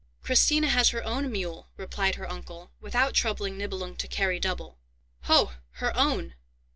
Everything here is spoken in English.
"Christina has her own mule," replied her uncle, "without troubling Nibelung to carry double." "Ho! her own!